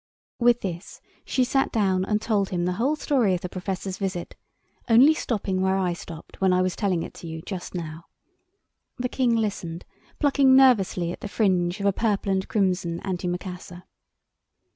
With this she sat down and told him the whole story of the Professor's visit, only stopping exactly where I stopped when I was telling it to you just now. The King listened, plucking nervously at the fringe of a purple and crimson antimacassar.